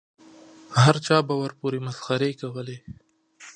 هر چا به ورپورې مسخرې کولې.